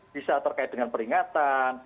bisa terkait dengan peringatan